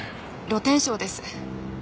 露天商です。